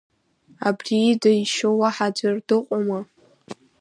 Абри ида ишьу уаҳа аӡәыр дыҟоума?